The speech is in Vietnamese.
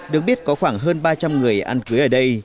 được biết có khoảng hơn ba trăm linh người ăn cưới ở đây